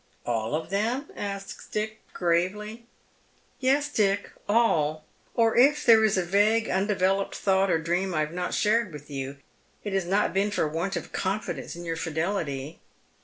" All of them? " asks Dick, gravely. " Y'cs, Dick, all — or if there is a vague, undeveloped thought or dream I have not shared with you, it has not been for want of confidence in y«ur fidelity."